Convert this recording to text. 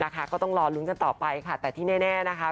ก็ต้องรอลุ้นกันต่อไปค่ะแต่ที่แน่นะคะ